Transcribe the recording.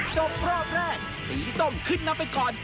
จบรอบแรกสีส้มขึ้นนำไปก่อน